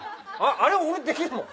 あれ俺できるもん。